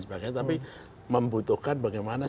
sebagainya tapi membutuhkan bagaimana